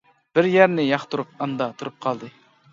بىر يەرنى ياقتۇرۇپ ئاندا تۇرۇپ قالدى.